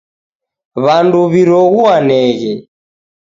W'andu w'iroghuaneghe.